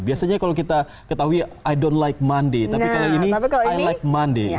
biasanya kalau kita ketahui i don't like monday tapi kalau ini i like monday